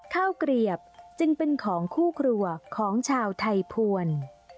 เกลียบจึงเป็นของคู่ครัวของชาวไทยภวร